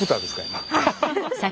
今。